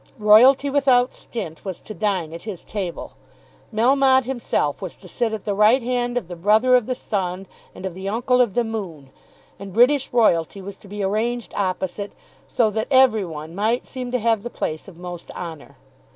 Royalty without stint was to dine at his table. Melmotte himself was to sit at the right hand of the brother of the Sun and of the uncle of the Moon, and British Royalty was to be arranged opposite, so that every one might seem to have the place of most honour.